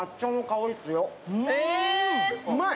うまい！